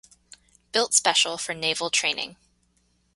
Built special for naval training.